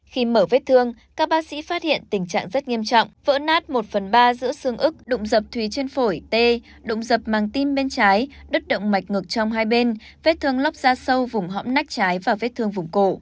khi mở vết thương các bác sĩ phát hiện tình trạng rất nghiêm trọng vỡ nát một phần ba giữa xương ức đụng dập thủy trên phổi t động dập màng tim bên trái đứt động mạch ngực trong hai bên vết thương lóc da sâu vùng hõm nách trái và vết thương vùng cổ